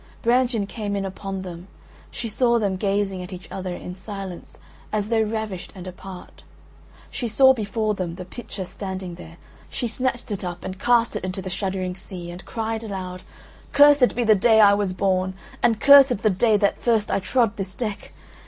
Brangien came in upon them; she saw them gazing at each other in silence as though ravished and apart; she saw before them the pitcher standing there; she snatched it up and cast it into the shuddering sea and cried aloud: "Cursed be the day I was born and cursed the day that first I trod this deck.